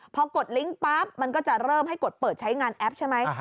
พอกดลิงก์ปั๊บมันก็จะเริ่มให้กดเปิดใช้งานแอปใช่ไหม